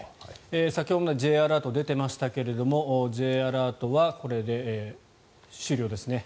先ほどまでＪアラート出ていましたがＪアラートはこれで終了ですね。